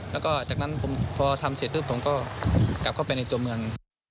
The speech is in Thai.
แล้วก็จากนั้นพอทำเสร็จปุ๊บผมก็กลับเข้าไปในตัวเมือง